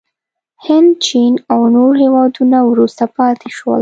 هند، چین او نور هېوادونه وروسته پاتې شول.